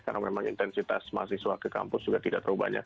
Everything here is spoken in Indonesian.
karena memang intensitas mahasiswa ke kampus juga tidak terlalu banyak